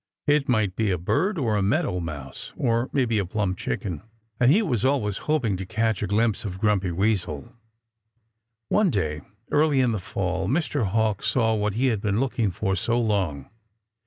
It might be a bird, or a meadow mouse, or maybe a plump chicken. And he was always hoping to catch a glimpse of Grumpy Weasel. One day early in the fall Mr. Hawk saw what he had been looking for so long.